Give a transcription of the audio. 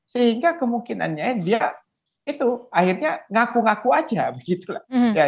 sehingga kemungkinannya dia itu akhirnya ngaku ngaku aja begitulah